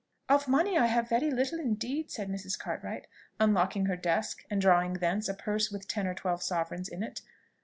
"Of money I have very little indeed," said Mrs. Cartwright, unlocking her desk, and drawing thence a purse with ten or twelve sovereigns in it.